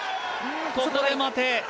ここで待て。